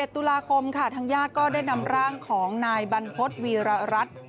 ตุลาคมค่ะทางญาติก็ได้นำร่างของนายบรรพฤษวีรรัฐ